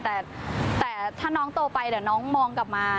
แต่ถ้าน้องโตไปเดี๋ยวน้องมองกลับมา